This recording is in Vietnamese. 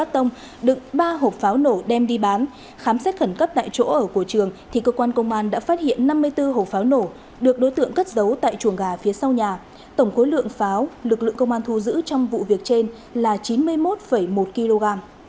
trong xét khẩn cấp tại chỗ ở của trường thì cơ quan công an đã phát hiện năm mươi bốn hộp pháo nổ được đối tượng cất giấu tại chuồng gà phía sau nhà tổng khối lượng pháo lực lượng công an thu giữ trong vụ việc trên là chín mươi một một kg